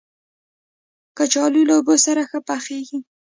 کچالو له اوبو سره ښه پخېږي